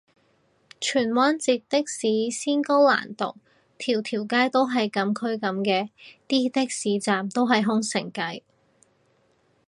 荃灣截的士先高難度，條條街都係禁區噉嘅？的士站都係空城計